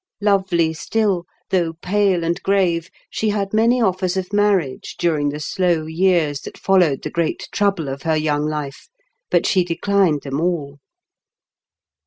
Lovely still, though pale and grave, she had many offers of marriage during the slow years that followed the great trouble of her young life^ but she declined them all.